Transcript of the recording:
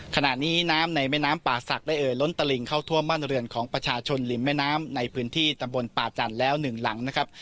ขณะนี้น้ำในแม่น้ำป่าศักดิ์ได้เอ่ยล้นตลิงเข้าท่วมบ้านเรือนของประชาชนริมแม่น้ำในพื้นที่ตำบลป่าจันทร์แล้วหนึ่งหลังนะครับ